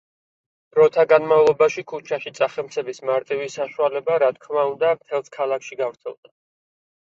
დროთა განმავლობაში, ქუჩაში წახემსების მარტივი საშუალება, რა თქმა უნდა, მთელს ქალაქში გავრცელდა.